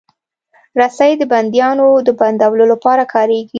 رسۍ د بندیانو د بندولو لپاره کارېږي.